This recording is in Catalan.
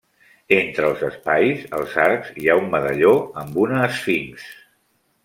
Entre els espais els arcs hi ha un medalló amb una esfinx.